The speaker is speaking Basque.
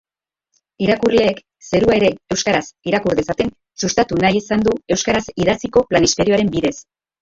Irakurleek zerua ere euskaraz irakur dezaten sustatu nahi izan du euskaraz idatziko planisferioaren bidez.